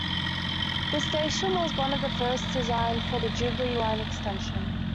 The station was one of the first designed for the Jubilee Line Extension.